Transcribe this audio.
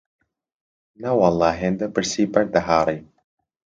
نەوەڵڵا هێندە برسی بەرد دەهاڕی